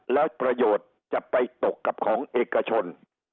แล้วประโยชน์จะไปตกกับของเอกชน